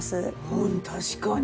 うん確かに。